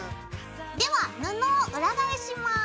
では布を裏返します。